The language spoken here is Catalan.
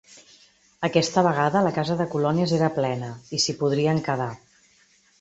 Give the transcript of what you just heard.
Aquesta vegada la casa de colònies era plena i s'hi podrien quedar.